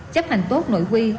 chấp hành tốt nội quy